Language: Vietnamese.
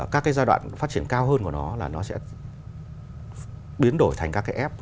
các cái giai đoạn phát triển cao hơn của nó là nó sẽ biến đổi thành các cái app